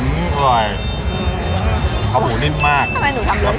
อื้ออร่อยของหูลิ่นมากทำไมหนูทำดูลิ่มมาก